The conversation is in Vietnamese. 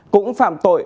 cũng phạm tội